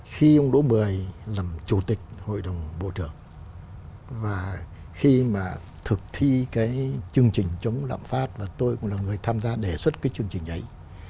tôi đã được bởi làm chủ tịch hội đồng bộ trưởng và khi mà thực thi cái chương trình chống lạm phát và tôi cũng là người tham gia đề xuất cái chương trình ấy